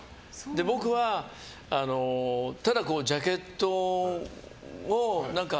僕は、ただジャケットを。